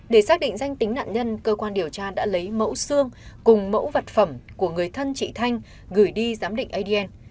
để xác định danh tính nạn nhân cơ quan điều tra đã lấy mẫu xương cùng mẫu vật phẩm của người thân chị thanh gửi đi giám định adn